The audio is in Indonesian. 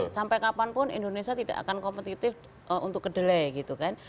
sampai kapanpun indonesia tidak akan kompetitif untuk kedelai gitu kan